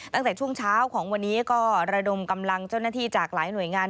ตั้งแต่ช่วงเช้าของวันนี้ก็ระดมกำลังเจ้าหน้าที่จากหลายหน่วยงาน